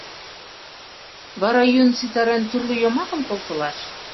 Вара, йӱын ситарен, тӱрлӧ йомакым колтылаш?